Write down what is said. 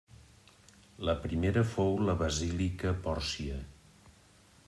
La primera fou la basílica Pòrcia.